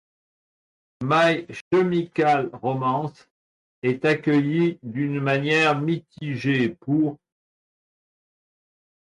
My Chemical Romance est accueilli d'une manière mitigée pour '.